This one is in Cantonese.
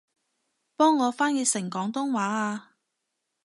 幫我翻譯成廣東話吖